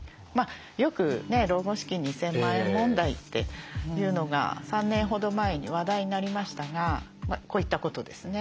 よく老後資金２，０００万円問題というのが３年ほど前に話題になりましたがこういったことですね。